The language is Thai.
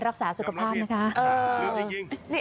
มาเปิดตรงนี้